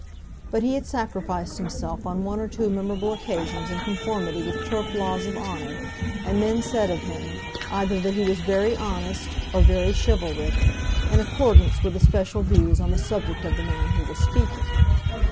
But he had sacrificed himself on one or two memorable occasions in conformity with turf laws of honour, and men said of him, either that he was very honest or very chivalric, in accordance with the special views on the subject of the man who was speaking.